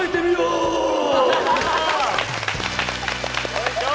よいしょ。